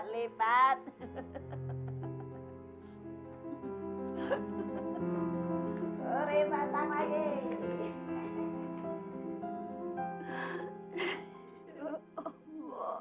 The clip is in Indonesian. hei tunggu tunggu dulu